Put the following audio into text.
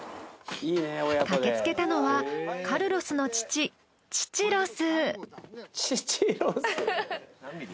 駆けつけたのはカルロスの父チチロス。